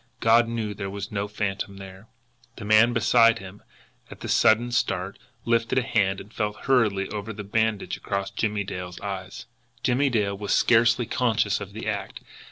God knew there was no phantom there! The man beside him, at the sudden start, lifted a hand and felt hurriedly over the bandage across Jimmie Dale's eyes. Jimmie Dale was scarcely conscious of the act.